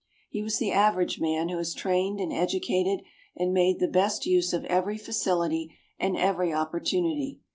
He was the average man who has trained and educated and made the best use of every faculty and every opportunity.